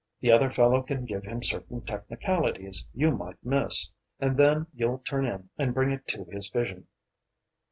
The other fellow can give him certain technicalities you might miss and then you'll turn in and bring it to his vision.